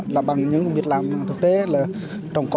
là bằng những việc làm thực tế là trồng cỏ